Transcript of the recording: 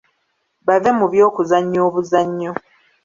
Bave mu by'okuzannya obuzannyo.